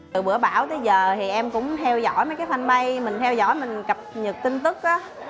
từ bữa bão tới giờ thì em cũng theo dõi mấy cái fanpage mình theo dõi mình cập nhật tin tức á